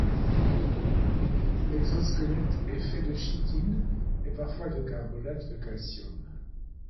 L'exosquelette est fait de chitine ou, parfois, de carbonate de calcium.